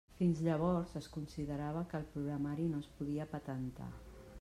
Fins llavors, es considerava que el programari no es podia patentar.